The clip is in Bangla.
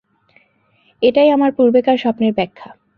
এটাই আমার পূর্বেকার স্বপ্নের ব্যাখ্যা।